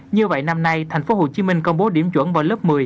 như vậy năm nay tp hcm công bố điểm chuẩn vào lớp một mươi